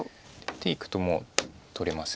出ていくともう取れます。